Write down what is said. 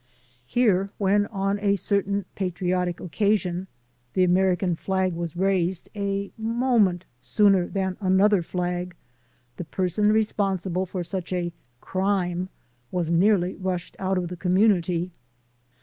Here, when on a certain patriotic occa sion, the American flag was raised a moment sooner than another flag, the person responsible for such a "crime" was nearly rushed out of the community.